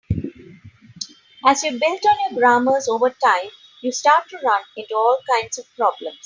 As you build on your grammars over time, you start to run into all kinds of problems.